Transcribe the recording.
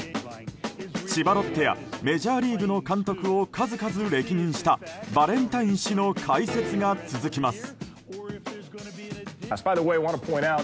千葉ロッテやメジャーリーグの監督を数々歴任したバレンタイン氏の解説が続きます。